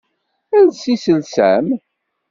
Els iselsa-m!